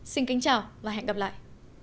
xin kính chào và hẹn gặp lại